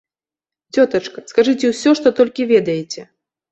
Цётачка, скажыце ўсё, што толькі ведаеце.